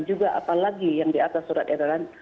juga apalagi yang di atas surat edaran